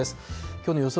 きょうの予想